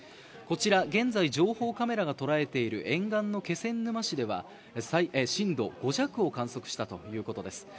こちら、現在の情報カメラが捉えている沿岸の気仙沼市では震度５弱を観測したということです。